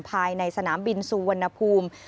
ภายในสนามบินสุวรรณภูมิ